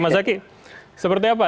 mas hercaki seperti apa